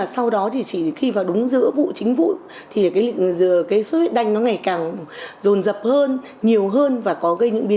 so với cùng kỳ năm hai nghìn một mươi tám